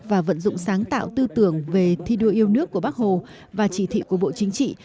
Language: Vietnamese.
và vận dụng sáng tạo tư tưởng về thi đua yêu nước của bắc hồ và chỉ thị của bộ chính trị